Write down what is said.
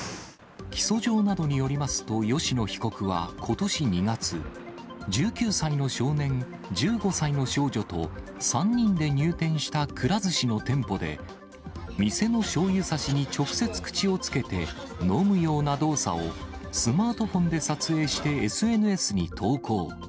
起訴状などによりますと、吉野被告はことし２月、１９歳の少年、１５歳の少女と３人で入店したくら寿司の店舗で、店のしょうゆさしに直接口をつけて、飲むような動作を、スマートフォンで撮影してＳＮＳに投稿。